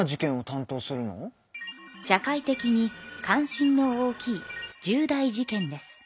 社会的に関心の大きい重大事件です。